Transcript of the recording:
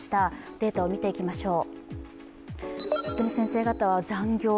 データを見ていきましょう。